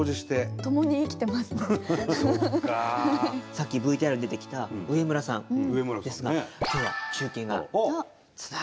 さっきＶＴＲに出てきた植村さんですが今日は中継がつながっていますよ。